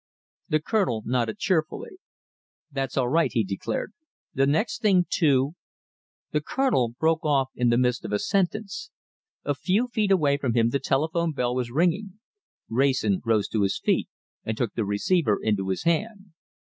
The Colonel nodded cheerfully. "That's all right," he declared. "The next thing to " The Colonel broke off in the midst of his sentence. A few feet away from him the telephone bell was ringing. Wrayson rose to his feet and took the receiver into his hand.